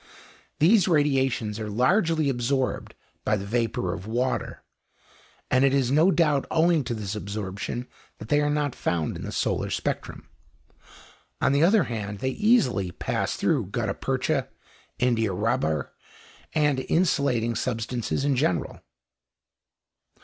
These radiations are largely absorbed by the vapour of water, and it is no doubt owing to this absorption that they are not found in the solar spectrum. On the other hand, they easily pass through gutta percha, india rubber, and insulating substances in general.